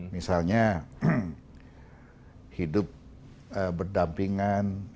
misalnya hidup berdampingan